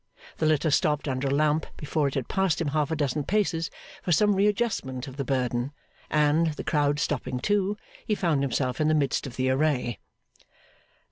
The litter stopped under a lamp before it had passed him half a dozen paces, for some readjustment of the burden; and, the crowd stopping too, he found himself in the midst of the array.